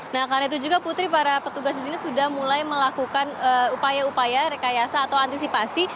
nah karena itu juga putri para petugas di sini sudah mulai melakukan upaya upaya rekayasa atau antisipasi